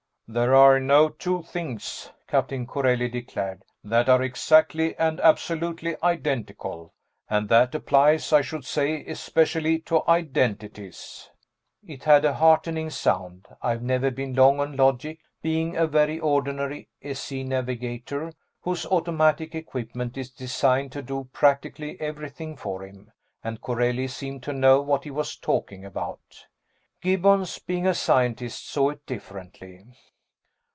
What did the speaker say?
"There are no two things," Captain Corelli declared, "that are exactly and absolutely identical. And that applies, I should say, especially to identities." It had a heartening sound. I've never been long on logic, being a very ordinary S.E. navigator whose automatic equipment is designed to do practically everything for him, and Corelli seemed to know what he was talking about. Gibbons, being a scientist, saw it differently.